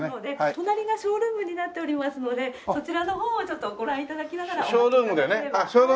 隣がショールームになっておりますのでそちらの方をちょっとご覧頂きながらお待ち頂ければ。